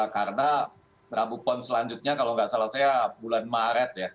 karena drabupon selanjutnya kalau nggak salah saya bulan maret ya